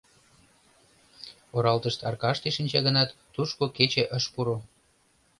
Оралтышт аркаште шинча гынат, тушко кече ыш пуро.